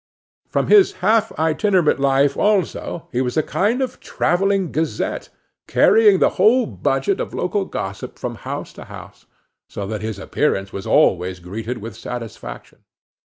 From his half itinerant life, also, he was a kind of travelling gazette, carrying the whole budget of local gossip from house to house, so that his appearance was always greeted with satisfaction.